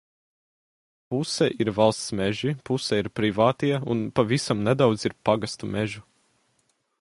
Puse ir valsts meži, puse ir privātie, un pavisam nedaudz ir pagastu mežu.